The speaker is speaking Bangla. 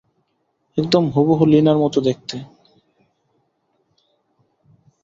একদম হুবহু লীনার মতো দেখতে।